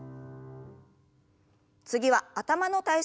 次は頭の体操です。